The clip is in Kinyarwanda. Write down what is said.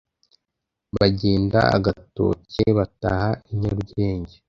Bagenda Agatoke, bataha i Nyarugenge :